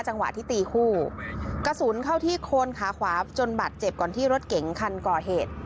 จังหวะที่ตีคู่กระสุนเข้าที่โคนขาขวาจนบัตรเจ็บก่อนที่รถเก๋งคันก่อเหตุ